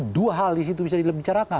dua hal disitu bisa dibilang